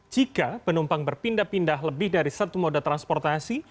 jika penumpang berpindah pindah lebih dari satu moda transportasi